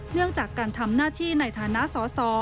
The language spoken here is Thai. เนื่องจากการทำหน้าที่ในฐานะสอสอ